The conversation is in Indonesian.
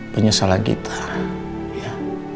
penyesalan kita ya